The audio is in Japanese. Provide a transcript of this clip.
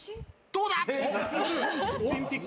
どうだ！？